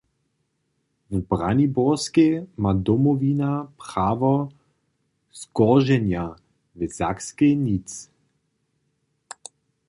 W Braniborskej ma Domowina prawo skorženja, w Sakskej nic.